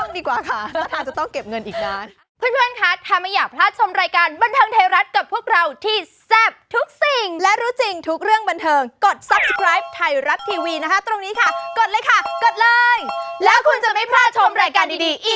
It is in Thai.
ไม่ต้องดีกว่าค่ะสถานจะต้องเก็บเงินอีกนาน